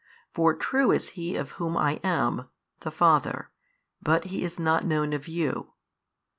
For True is He of Whom I am, the Father, but He is not known of you.